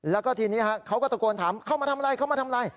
แล้วก็ทีนี้เขาก็ตะโกนถามเข้ามาทำอะไร